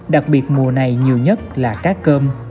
đặc biệt mùa này nhiều nhất là cá cơm